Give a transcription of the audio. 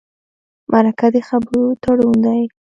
مرکه د خبرو تړون دی.